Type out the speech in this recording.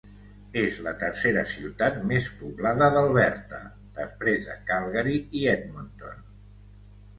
És la tercera ciutat més poblada d'Alberta després de Calgary i Edmonton.